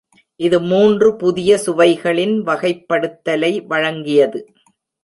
இது மூன்று புதிய சுவைகளின் வகைப்படுத்தலை வழங்கியது.